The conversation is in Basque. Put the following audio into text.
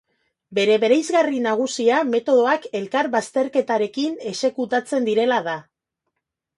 Bere bereizgarri nagusia metodoak elkar-bazterketarekin exekutatzen direla da.